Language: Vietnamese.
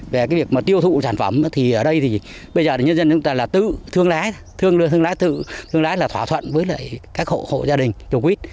về cái việc mà tiêu thụ sản phẩm thì ở đây thì bây giờ là nhân dân chúng ta là tự thương lái thương lái là thỏa thuận với lại các hộ gia đình đồng quýt